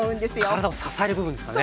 体を支える部分ですからね。